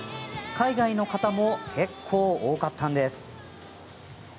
海外の方も結構、多かったんです。